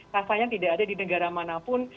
rasanya tidak ada di negara manapun